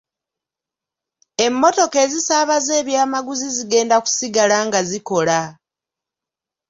Emmotoka ezisaabaza ebyamaguzi zigenda kusigala nga zikola.